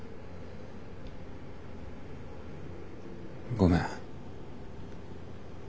ごめん。